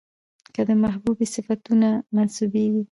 که د محبوبې صفتونه منسوبېږي،